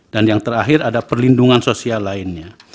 dan yang terakhir ada perlindungan sosial lainnya